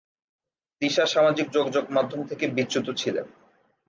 তিশা সামাজিক যোগাযোগ মাধ্যম থেকে বিচ্যুত ছিলেন।